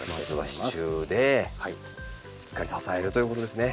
まずは支柱でしっかり支えるということですね。